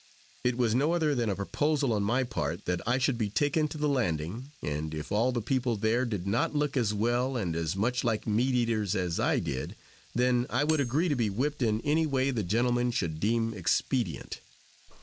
It was no other than a proposal on my part, that I should be taken to the landing, and if all the people there did not look as well and as much like meat eaters as I did, then I would agree to be whipped in any way the gentlemen should deem expedient.